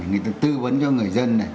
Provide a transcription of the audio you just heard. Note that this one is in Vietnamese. người ta tư vấn cho người dân